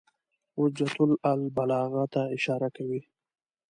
حجة الله البالغة ته اشاره کوي.